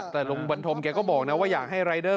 แต่ลุงบันทมแกก็บอกนะว่าอยากให้รายเดอร์